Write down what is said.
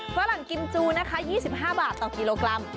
กาหล่างกินจู๒๕บาทต่อกิโลกรัม